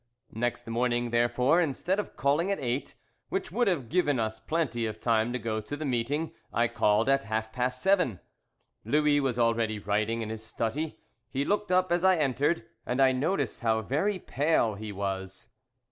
Next morning, therefore, instead of calling at eight, which would have given us plenty of time to go to the meeting, I called at half past seven. Louis was already writing in his study. He looked up as I entered, and I noticed how very pale he was.